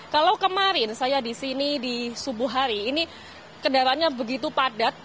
kalau kemarin saya di sini di subuh hari ini kendaraannya begitu padat